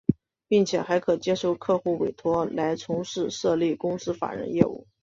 并且还可接受客户委托来从事设立公司法人业务。